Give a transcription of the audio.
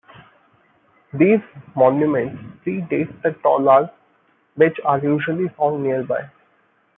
These monuments pre-date the taulas, which are usually found nearby.